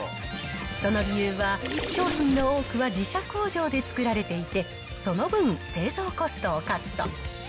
その理由は、商品の多くは自社工場で作られていて、その分、製造コストをカット。